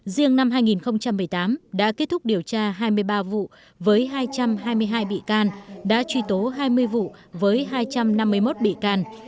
riêng năm hai nghìn một mươi tám đã kết thúc điều tra hai mươi ba vụ với hai trăm hai mươi hai bị can đã truy tố hai mươi vụ với hai trăm năm mươi một bị can